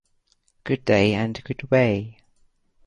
Good day and good way.